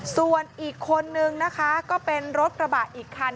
ส่วนอีกคนนึงนะคะก็เป็นรถกระบะอีกคัน